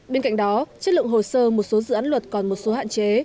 bên cạnh đó chất lượng hồ sơ một số dự án luật còn một số hạn chế